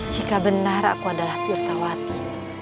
jika benar aku adalah tirtawati